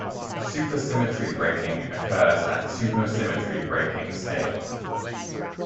Supersymmetry breaking occurs at supersymmetry breaking scale.